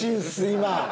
今。